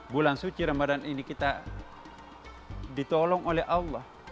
bulan suci ramadan ini kita ditolong oleh allah